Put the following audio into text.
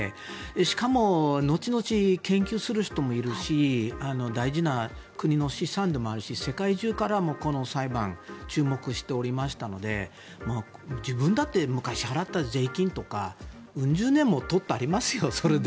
しかも、後々研究する人もいるし大事な国の資産でもあるし世界中からも注目されていたので自分だって昔払った税金とか４０年ありますよ。